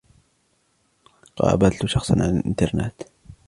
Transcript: قابلتُ شخصًا على الإنترنت.